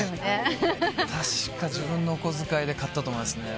確か自分のお小遣いで買ったと思いますね。